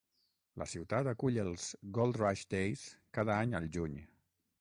La ciutat acull els "Gold Rush Days" cada any al juny.